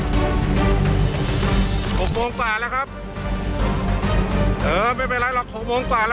เกียร์ใคร